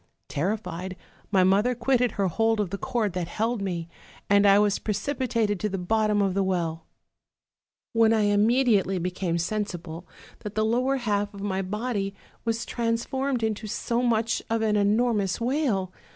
Terrified, my mother quitted her hold of the cord that held me, and I was precipitated to the bottom of the well; when I im mediately became sensible that the lower half of my OLD, OLD FAIRY TALES. 305 was transformed into so much of an enormous whale.